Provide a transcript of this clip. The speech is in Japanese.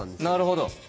なるほど。